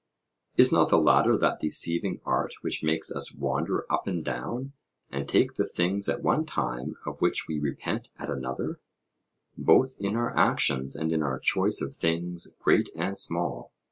Is not the latter that deceiving art which makes us wander up and down and take the things at one time of which we repent at another, both in our actions and in our choice of things great and small?